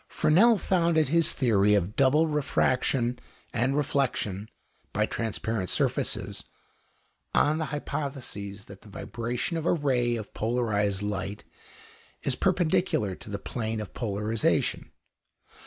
Fresnel founded his theory of double refraction and reflexion by transparent surfaces, on the hypothesis that the vibration of a ray of polarized light is perpendicular to the plane of polarization.